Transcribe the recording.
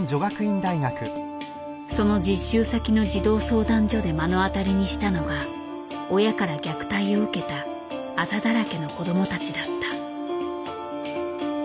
その実習先の児童相談所で目の当たりにしたのが親から虐待を受けたあざだらけの子どもたちだった。